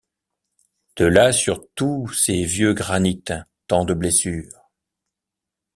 De là sur tous ces vieux granits tant de blessures.